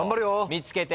見つけて！